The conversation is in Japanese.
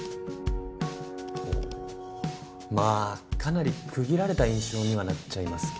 まあかなり区切られた印象にはなっちゃいますけど。